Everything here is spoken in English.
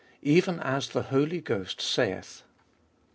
EVEN AS THE HOLY GHOST SAITH.